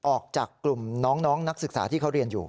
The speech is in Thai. ออกจากกลุ่มน้องนักศึกษาที่เขาเรียนอยู่